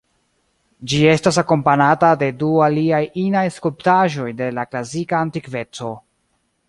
Ĝi estas akompanata de du aliaj inaj skulptaĵoj de la klasika antikveco.